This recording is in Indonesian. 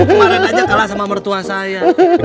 kemarin aja kalah sama mertua saya